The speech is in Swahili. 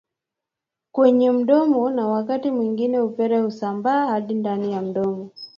kwenye mdomo na wakati mwingine upele husambaa hadi ndani ya mdomo